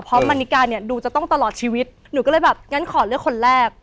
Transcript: เพราะมันนิกาเนี่ยดูจะต้องตลอดชีวิตหนูก็เลยแบบงั้นขอเลือกคนแรก